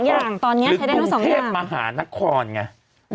บางทครหรือกุงเทพมหานครไง